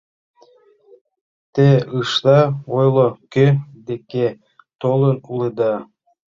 — Те ышда ойло, кӧ деке толын улыда?